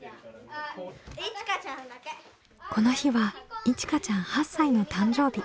この日はいちかちゃん８歳の誕生日。